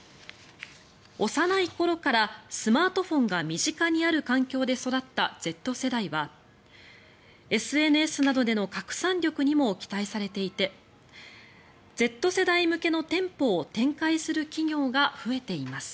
幼い頃からスマートフォンが身近にある環境で育ったＺ世代はＳＮＳなどでの拡散力にも期待されていてＺ世代向けの店舗を展開する企業が増えています。